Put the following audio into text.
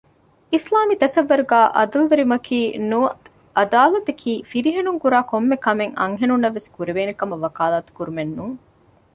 އިސްލާމީ ތަޞައްވުރުގައި ޢަދުލުވެރިވުމަކީ ނުވަތަ ޢަދާލަތަކީ ފިރިހެނުންކުރާކޮންމެ ކަމެއް އަންހެނުންނަށްވެސް ކުރެވޭނެ ކަމަށް ވަކާލާތު ކުރުމެއްނޫން